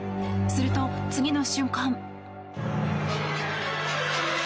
すると次の瞬間。